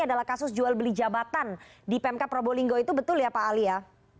adalah kasus jual beli jabatan di pmk probolinggo itu betul ya pak ali ya